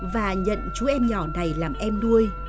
và nhận chú em nhỏ này làm em nuôi